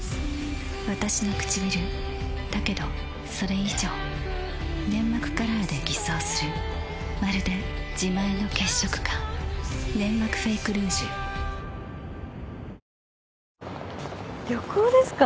わたしのくちびるだけどそれ以上粘膜カラーで偽装するまるで自前の血色感「ネンマクフェイクルージュ」旅行ですか？